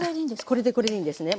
これでこれでいいんですね。